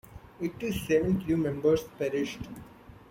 Eighty-seven crewmembers perished.